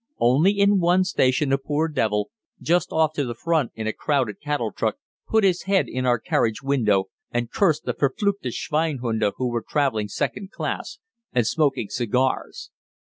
Only in one station a poor devil, just off to the front in a crowded cattle truck, put his head in our carriage window and cursed the "verfluchte Schweinhunde" who were traveling second class and smoking cigars.